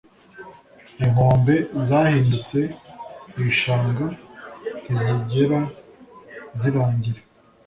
inkombe zahindutse ibishanga ntizigera zirangira